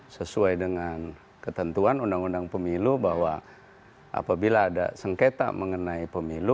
sesuai dengan ketentuan undang undang pemilu bahwa apabila ada sengketa mengenai pemilu